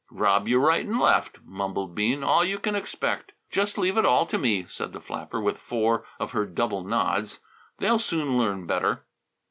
"Rob you right and left," mumbled Bean. "All you can expect." "Just leave it all to me," said the flapper with four of her double nods. "They'll soon learn better."